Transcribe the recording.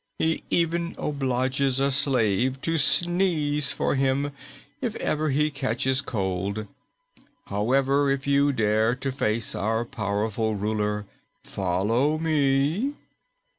He even obliges a slave to sneeze for him, if ever he catches cold. However, if you dare to face our powerful ruler, follow me."